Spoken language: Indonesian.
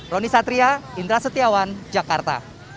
roni satria indra setiawan jakarta